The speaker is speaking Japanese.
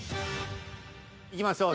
いきましょう。